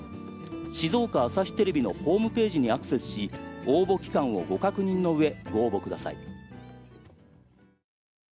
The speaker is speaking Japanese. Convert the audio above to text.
静岡朝日テレビのホームページにアクセスし、応募期間をご確認の上、ご応募ください。